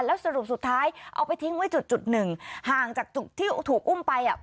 แล้วสรุปสุดท้ายเอาไปทิ้งไว้จุดจุดหนึ่งห่างจากจุดที่ถูกอุ้มไปอ่ะ